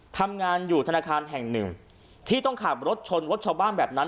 ทำงานอยู่ธนาคารแห่งหนึ่งที่ต้องขับรถชนรถชาวบ้านแบบนั้น